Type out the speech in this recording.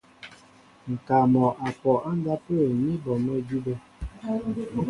Ŋ̀kaa mɔ' a pɔ á ndápə̂ ní bɔ mɔ́ idʉ́bɛ̄.